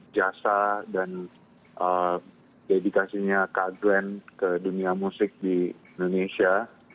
jasa dan dedikasinya kak glenn ke dunia musik di indonesia